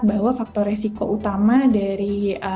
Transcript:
bahwa faktor resiko utama dari